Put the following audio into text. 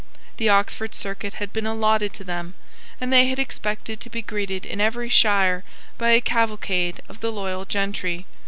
The Oxford circuit had been allotted to them; and they had expected to be greeted in every shire by a cavalcade of the loyal gentry.